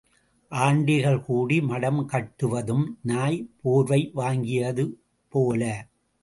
ஆண்டிகள் கூடி மடம் கட்டுவதும் நாய் போர்வை வாங்கியதும் போல.